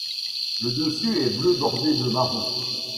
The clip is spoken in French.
Le dessus est bleu bordé de marron.